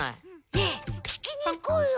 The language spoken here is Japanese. ねえ聞きに行こうよ。